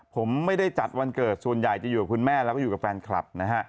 ผมไม่ได้จัดวันเกิดส่วนใหญ่จะอยู่กับคุณแม่แล้วก็อยู่กับแฟนคลับนะฮะ